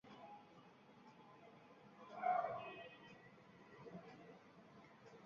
এ সময়ে ওয়েস্টার্ন প্রভিন্সের পক্ষে ডানহাতি ব্যাটসম্যান ও উইকেট-রক্ষক হিসেবে খেলতেন।